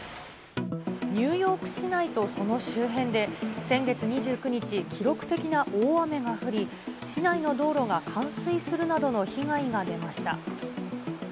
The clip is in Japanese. ニューヨーク市内とその周辺で、先月２９日、記録的な大雨が降り、市内の道路が冠水するなどの被害が出ました。